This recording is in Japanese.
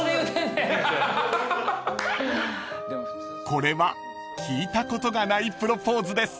［これは聞いたことがないプロポーズです］